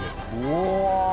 うわ。